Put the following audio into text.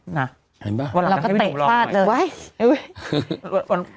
เห็นป่ะเราก็เตะฟาดเลย